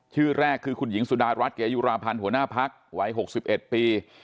ชื่อแรกคือคุณหญิงสุดารัฐเกยุราพันธ์หัวหน้าพักวัย๖๑ปี